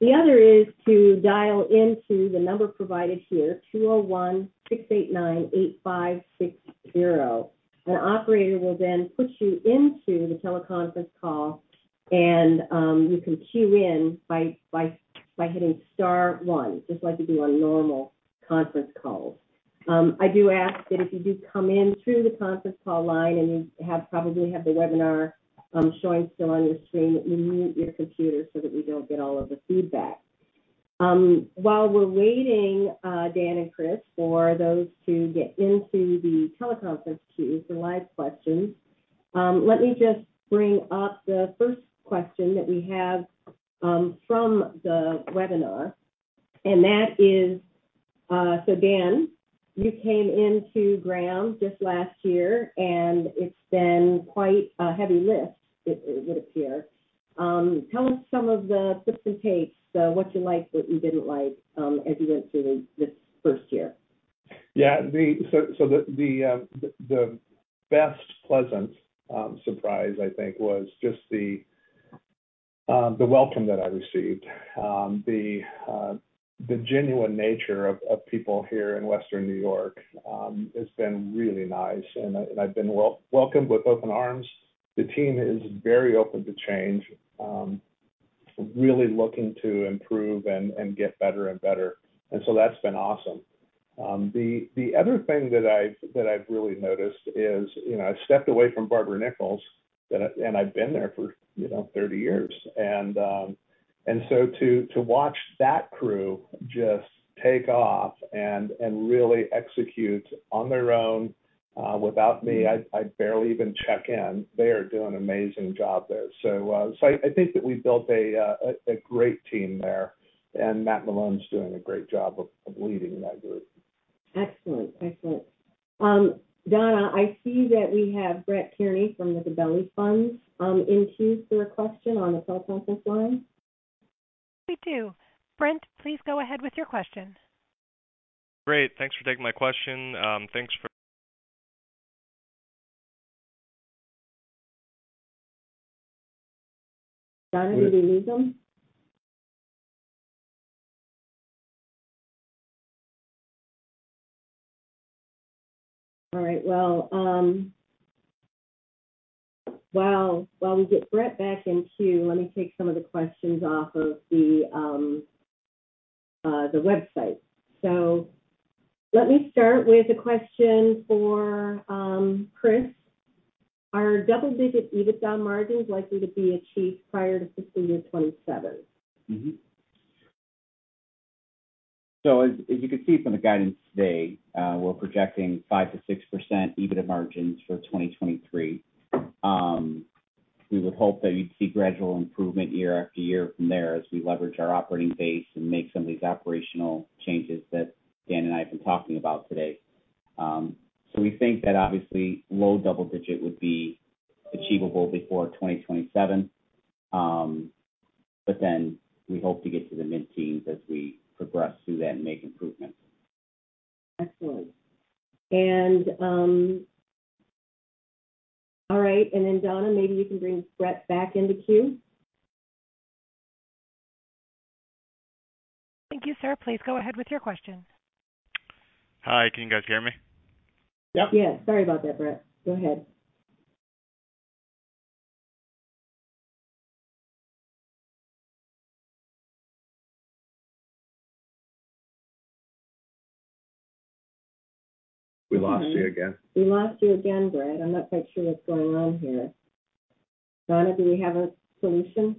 The other is to dial into the number provided here, 201-689-8560. An operator will then put you into the teleconference call and you can queue in by hitting star one, just like you do on normal conference calls. I do ask that if you do come in through the conference call line, and you probably have the webinar showing still on your screen, that you mute your computer so that we don't get all of the feedback. While we're waiting, Dan and Chris, for those to get into the teleconference queue for live questions, let me just bring up the first question that we have from the webinar. That is, so Dan, you came into Graham just last year, and it's been quite a heavy lift, it would appear. Tell us some of the twists and turns, the what you liked, what you didn't like, as you went through this first year. The best, pleasant surprise, I think, was just the welcome that I received. The genuine nature of people here in Western New York has been really nice, and I've been welcomed with open arms. The team is very open to change, really looking to improve and get better and better. That's been awesome. The other thing that I've really noticed is, you know, I stepped away from Barber-Nichols, and I've been there for, you know, 30 years. To watch that crew just take off and really execute on their own, without me, I barely even check in. They are doing an amazing job there. I think that we've built a great team there, and Matthew Malone's doing a great job of leading that group. Excellent. Donna, I see that we have Brett Kearney from the Gabelli Funds in queue for a question on the teleconference line. We do. Brett, please go ahead with your question. Great. Thanks for taking my question. Donna, did he lose him? All right. Well, while we get Brett back in queue, let me take some of the questions off of the website. Let me start with a question for Chris. Are double-digit EBITDA margins likely to be achieved prior to fiscal year 2027? As you can see from the guidance today, we're projecting 5%-6% EBITDA margins for 2023. We would hope that you'd see gradual improvement year after year from there as we leverage our operating base and make some of these operational changes that Dan and I have been talking about today. We think that obviously low double-digit would be achievable before 2027, but then we hope to get to the mid-teens as we progress through that and make improvements. Excellent. All right. Then, Donna, maybe you can bring Brett back into queue. Thank you, sir. Please go ahead with your question. Hi. Can you guys hear me? Yep. Yes. Sorry about that, Brett. Go ahead. We lost you again. We lost you again, Brett. I'm not quite sure what's going on here. Donna, do we have a solution?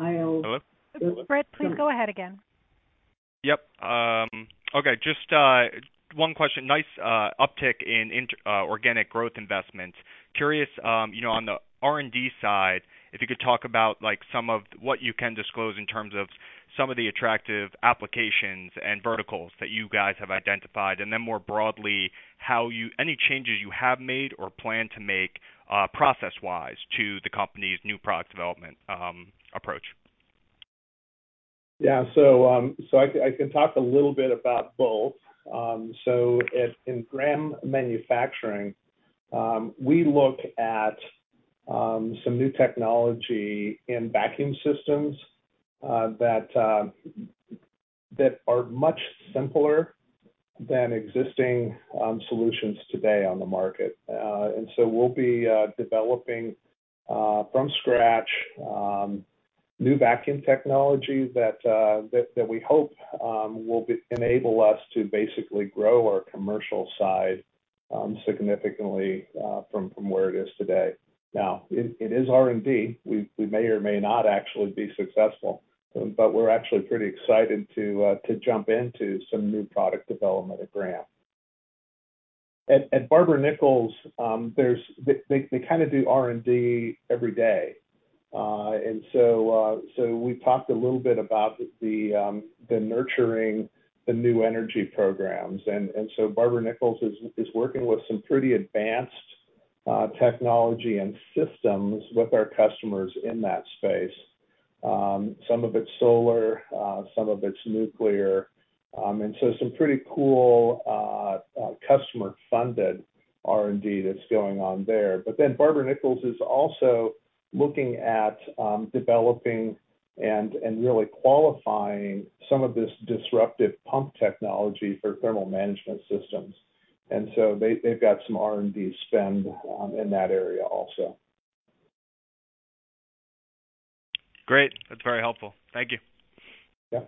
Hello? Hello? Brett, please go ahead again. Yep. Okay. Just one question. Nice uptick in organic growth investments. Curious, you know, on the R&D side, if you could talk about like some of what you can disclose in terms of some of the attractive applications and verticals that you guys have identified, and then more broadly, any changes you have made or plan to make, process-wise to the company's new product development approach. I can talk a little bit about both. In Graham Manufacturing, we look at some new technology in vacuum systems that are much simpler than existing solutions today on the market. We'll be developing from scratch new vacuum technology that we hope will enable us to basically grow our commercial side significantly from where it is today. It is R&D. We may or may not actually be successful, but we're actually pretty excited to jump into some new product development at Graham. At Barber-Nichols, they kind of do R&D every day. We talked a little bit about nurturing the new energy programs. Barber-Nichols is working with some pretty advanced technology and systems with our customers in that space. Some of it's solar, some of it's nuclear. Some pretty cool customer-funded R&D that's going on there. Barber-Nichols is also looking at developing and really qualifying some of this disruptive pump technology for thermal management systems. They've got some R&D spend in that area also. Great. That's very helpful. Thank you. Yeah.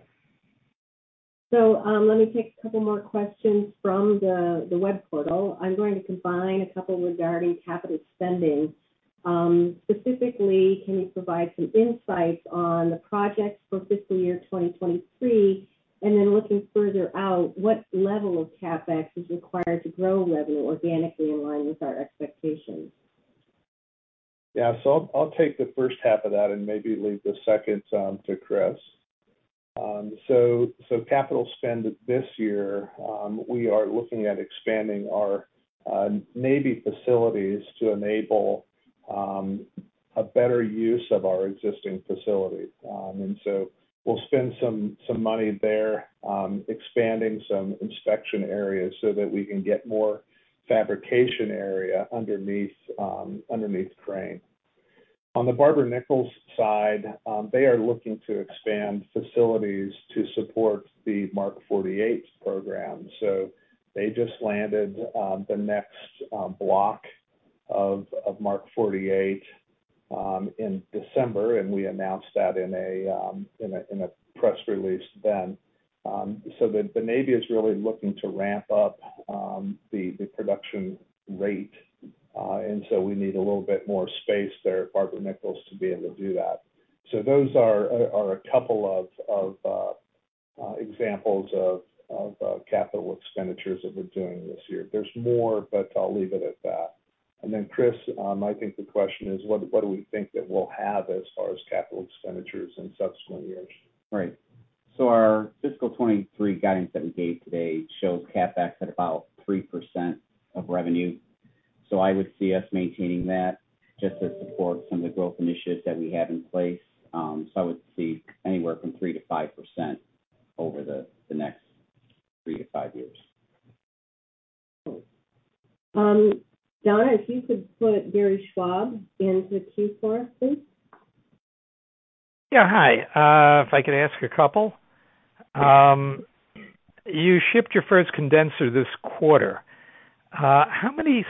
Let me take a couple more questions from the web portal. I'm going to combine a couple regarding capital spending. Specifically, can you provide some insights on the projects for fiscal year 2023? Looking further out, what level of CapEx is required to grow revenue organically in line with our expectations? Yeah. I'll take the first half of that and maybe leave the second to Chris. Capital spend this year, we are looking at expanding our Navy facilities to enable a better use of our existing facility. We'll spend some money there, expanding some inspection areas so that we can get more fabrication area underneath crane. On the Barber-Nichols side, they are looking to expand facilities to support the Mark 48 program. They just landed the next block of Mark 48 in December, and we announced that in a press release then. The Navy is really looking to ramp up the production rate, and so we need a little bit more space there at Barber-Nichols to be able to do that. Those are a couple of examples of capital expenditures that we're doing this year. There's more, but I'll leave it at that. Chris Thome, I think the question is what do we think that we'll have as far as capital expenditures in subsequent years? Right. Our fiscal 2023 guidance that we gave today shows CapEx at about 3% of revenue. I would see us maintaining that just to support some of the growth initiatives that we have in place. I would see anywhere from 3%-5% over the next three to five years. Donna, if you could put Gary Schwab into the queue for us, please. Yeah. Hi. If I could ask a couple. You shipped your first condenser this quarter. How many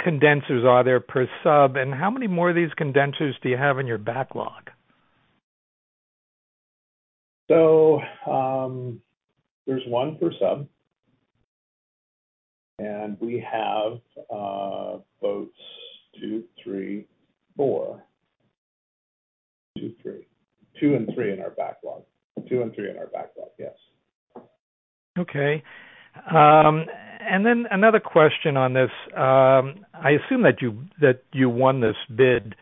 condensers are there per sub, and how many more of these condensers do you have in your backlog? There's one per sub. We have boats two, three, four. Two and three in our backlog, yes. Okay. Another question on this. I assume that you won this bid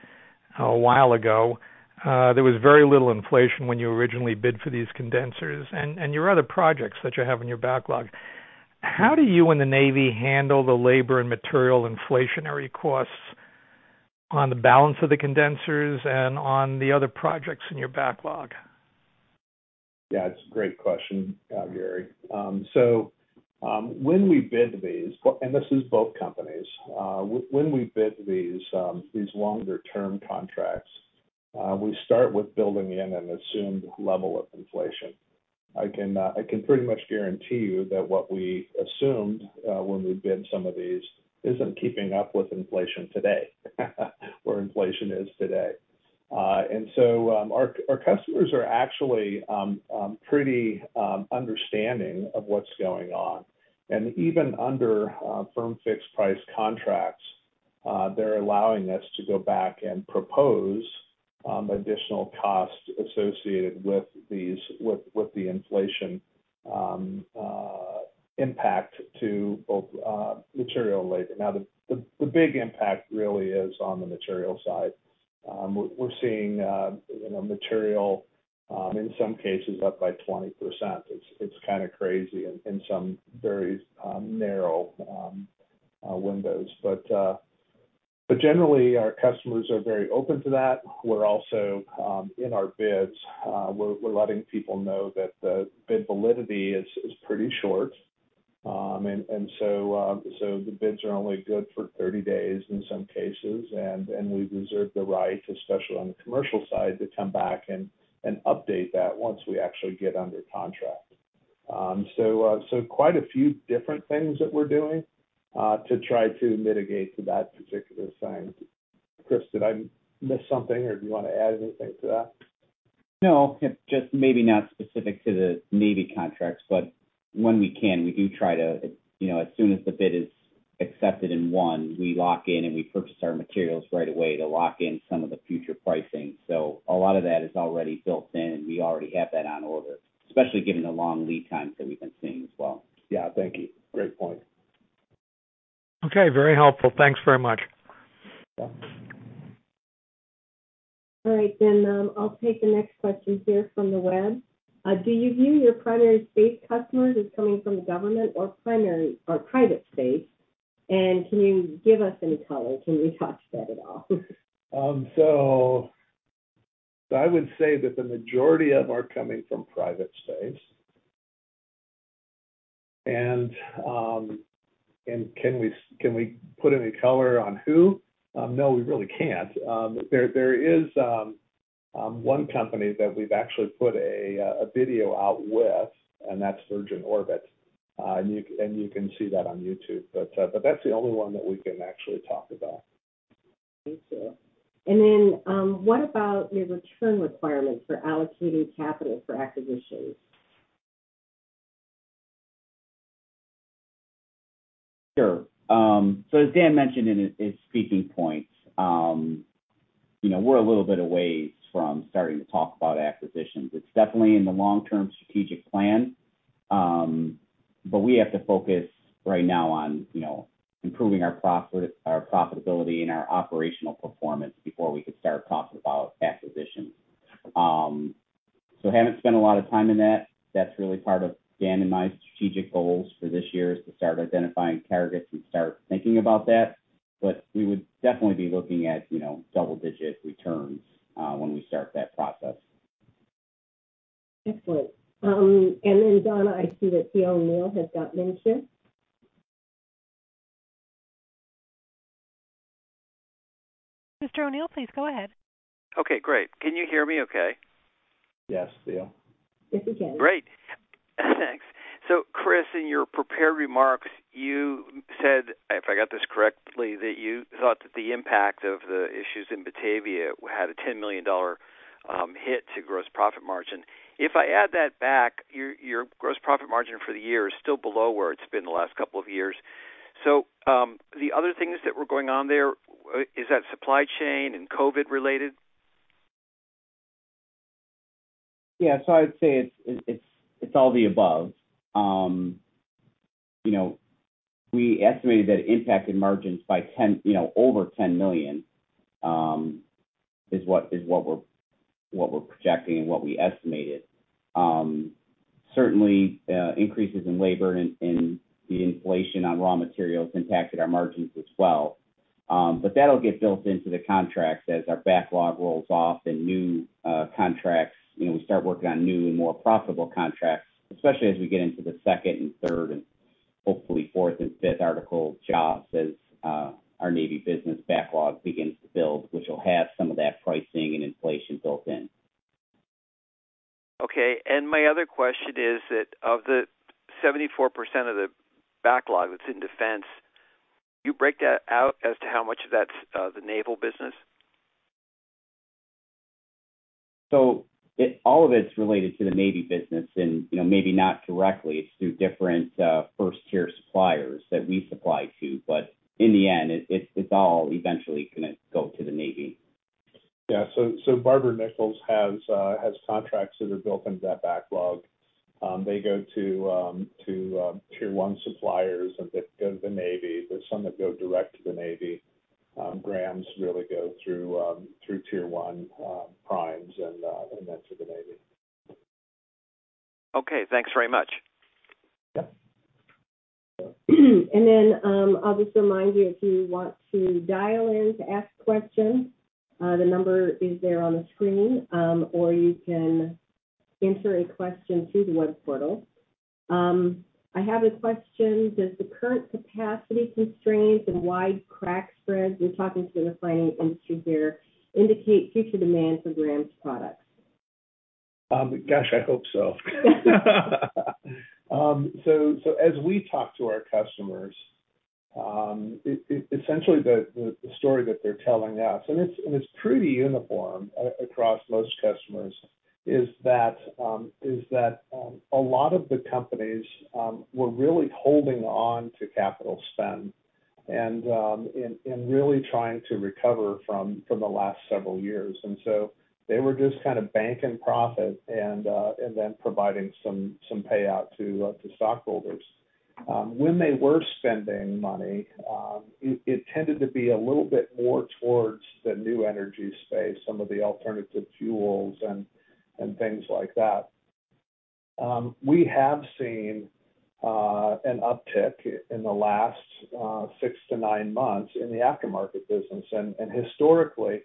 a while ago. There was very little inflation when you originally bid for these condensers and your other projects that you have in your backlog. How do you and the Navy handle the labor and material inflationary costs on the balance of the condensers and on the other projects in your backlog? Yeah, it's a great question, Gary. So, when we bid these, and this is both companies. When we bid these longer term contracts, we start with building in an assumed level of inflation. I can pretty much guarantee you that what we assumed, when we bid some of these isn't keeping up with inflation today, where inflation is today. Our customers are actually pretty understanding of what's going on. Even under firm fixed price contracts, they're allowing us to go back and propose additional costs associated with these, with the inflation impact to both material and labor. Now, the big impact really is on the material side. We're seeing, you know, material in some cases up by 20%. It's kind of crazy in some very narrow windows. Generally, our customers are very open to that. We're also in our bids, we're letting people know that the bid validity is pretty short. The bids are only good for 30 days in some cases. We've reserved the right, especially on the commercial side, to come back and update that once we actually get under contract. Quite a few different things that we're doing to try to mitigate to that particular issue. Chris, did I miss something or do you wanna add anything to that? No, it just maybe not specific to the Navy contracts, but when we can, we do try to. You know, as soon as the bid is accepted in one, we lock in, and we purchase our materials right away to lock in some of the future pricing. A lot of that is already built in. We already have that on order, especially given the long lead times that we've been seeing as well. Yeah. Thank you. Great point. Okay. Very helpful. Thanks very much. Yeah. All right, I'll take the next question here from the web. Do you view your primary space customers as coming from the government or private space? Can you give us any color? Can you touch that at all? I would say that the majority of are coming from private space. Can we put any color on who? No, we really can't. There is one company that we've actually put a video out with, and that's Virgin Orbit. And you can see that on YouTube. That's the only one that we can actually talk about. Thank you. What about your return requirements for allocated capital for acquisitions? Sure. As Dan mentioned in his speaking points, you know, we're a little bit a ways from starting to talk about acquisitions. It's definitely in the long-term strategic plan. We have to focus right now on, you know, improving our profitability and our operational performance before we could start talking about acquisitions. We haven't spent a lot of time in that. That's really part of Dan and my strategic goals for this year is to start identifying targets and start thinking about that. We would definitely be looking at, you know, double-digit returns when we start that process. Excellent. Don, I see that Theodore O'Neill has got mentioned. Mr. O'Neill, please go ahead. Okay, great. Can you hear me okay? Yes, Thea. Yes, we can. Great. Thanks. Chris, in your prepared remarks, you said, if I got this correctly, that you thought that the impact of the issues in Batavia had a $10 million hit to gross profit margin. If I add that back, your gross profit margin for the year is still below where it's been the last couple of years. The other things that were going on there, is that supply chain and COVID related? Yeah. I would say it's all the above. You know, we estimated that it impacted margins by over $10 million, is what we're projecting and what we estimated. Certainly, increases in labor and the inflation on raw materials impacted our margins as well. But that'll get built into the contracts as our backlog rolls off and new contracts, you know, we start working on new and more profitable contracts, especially as we get into the second and third and hopefully fourth and fifth article jobs as our Navy business backlog begins to build, which will have some of that pricing and inflation built in. Okay. My other question is that of the 74% of the backlog that's in defense, you break that out as to how much of that's, the naval business? All of it's related to the Navy business and, you know, maybe not directly. It's through different first-tier suppliers that we supply to. In the end, it's all eventually gonna go to the Navy. Barber-Nichols has contracts that are built into that backlog. They go to tier one suppliers that go to the Navy. There's some that go direct to the Navy. Graham's really go through tier one primes and then to the Navy. Okay. Thanks very much. Yeah. I'll just remind you, if you want to dial in to ask questions, the number is there on the screen, or you can enter a question through the web portal. I have a question. Does the current capacity constraints and wide crack spreads, we're talking to the refining industry here, indicate future demand for Graham's products? Gosh, I hope so. So as we talk to our customers, essentially the story that they're telling us, and it's pretty uniform across most customers, is that a lot of the companies were really holding on to capital spend and really trying to recover from the last several years. They were just kind of banking profit and then providing some payout to stockholders. When they were spending money, it tended to be a little bit more towards the new energy space, some of the alternative fuels and things like that. We have seen an uptick in the last 6-9 months in the aftermarket business. Historically,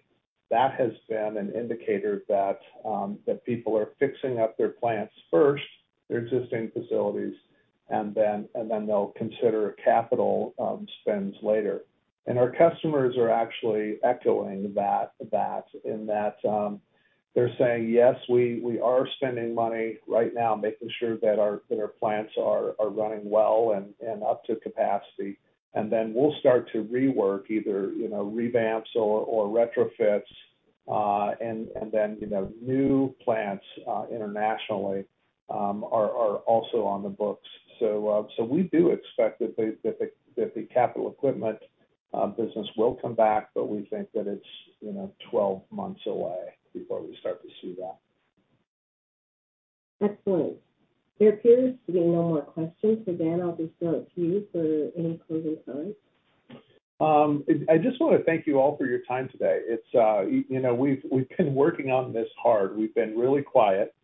that has been an indicator that people are fixing up their plants first, their existing facilities, and then they'll consider capital spends later. Our customers are actually echoing that in that they're saying, "Yes, we are spending money right now making sure that our plants are running well and up to capacity. We'll start to rework either, you know, revamps or retrofits, and then, you know, new plants internationally are also on the books." We do expect that the capital equipment business will come back, but we think that it's, you know, 12 months away before we start to see that. Excellent. There appears to be no more questions. Dan, I'll just throw it to you for any closing comments. I just wanna thank you all for your time today. It's you know, we've been working on this hard. We've been really quiet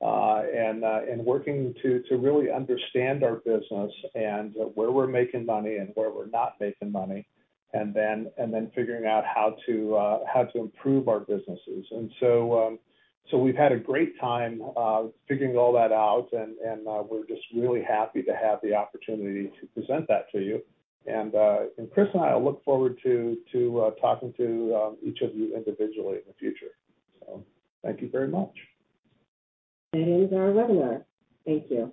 and working to really understand our business and where we're making money and where we're not making money, and then figuring out how to improve our businesses. We've had a great time figuring all that out, and we're just really happy to have the opportunity to present that to you. Chris and I look forward to talking to each of you individually in the future. Thank you very much. That ends our webinar. Thank you.